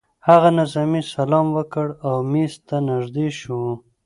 هغه نظامي سلام وکړ او مېز ته نږدې شو